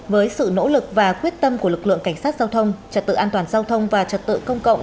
với sự nỗ lực và quyết tâm của lực lượng cảnh sát giao thông trật tự an toàn giao thông và trật tự công cộng